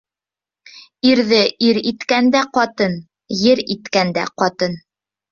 Ирҙе ир иткән дә ҡатын, ер иткән дә ҡатын.